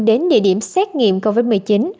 đến địa điểm xét nghiệm covid một mươi chín